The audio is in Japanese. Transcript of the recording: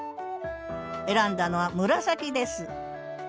選んだのは紫です